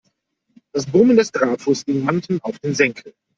Das Brummen des Trafos ging manchem auf den Senkel.